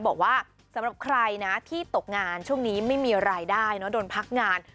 บอกว่าสำหรับใครนะที่ตกงานช่วงนี้ไม่มีรายได้โดนพักงาน